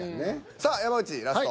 さあ山内ラスト。